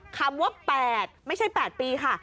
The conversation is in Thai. คำว่าแปดไม่ใช่แปดปีค่ะ